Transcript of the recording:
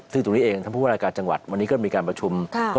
ซึ่งตรงนี้เองท่านผู้ว่ารายการจังหวัดวันนี้ก็มีการประชุม